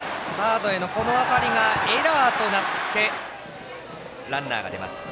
８番の渡辺、サードへの当たりがエラーとなってランナーが出ます。